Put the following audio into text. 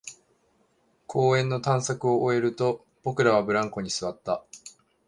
公園の探索を終えると、僕らはブランコに座った